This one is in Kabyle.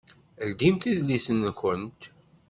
Ldimt idlisen-nkent!